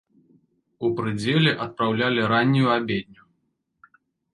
У прыдзеле адпраўлялі раннюю абедню.